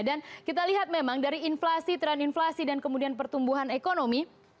dan kita lihat memang dari inflasi tren inflasi dan kemudian pertumbuhan ekonomi